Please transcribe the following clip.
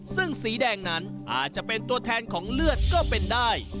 ซึ่งสีแดงนั้นอาจจะเป็นตัวแทนของเลือดก็เป็นได้